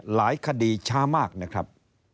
หลายคดีช้ามากนะครับ